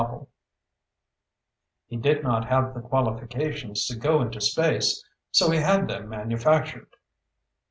] He did not have the qualifications to go into space so he had them manufactured!